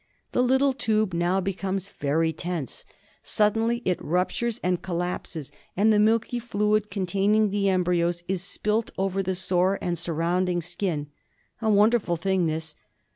The little tube now becomes very tense. Sud denly it ruptures, collapses, and the milky fluid containing the embryos is spilt over the sore and surrounding skin. A wonderful thing this.